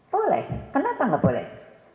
boleh kenapa gak boleh